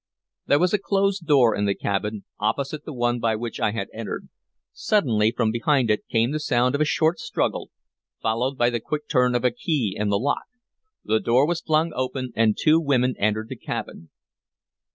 There was a closed door in the cabin, opposite the one by which I had entered. Suddenly from behind it came the sound of a short struggle, followed by the quick turn of a key in the lock. The door was flung open, and two women entered the cabin.